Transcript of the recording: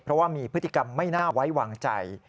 เพราะว่ามีพฤติกรรมไม่น่าไว้วางใจ